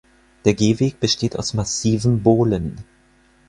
Der Gehweg besteht aus massiven Bohlen.